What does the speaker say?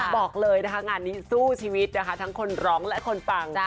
บอกเลยนะคะงานนี้สู้ชีวิตนะคะทั้งคนร้องและคนฟัง